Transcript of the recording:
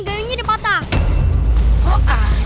karena yang jadi betah er